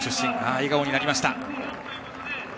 笑顔になりました。